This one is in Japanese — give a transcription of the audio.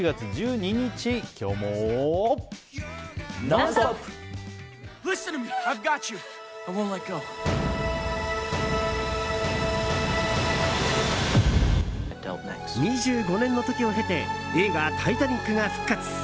２５年の時を経て映画「タイタニック」が復活。